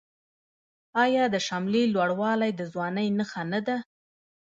آیا د شملې لوړوالی د ځوانۍ نښه نه ده؟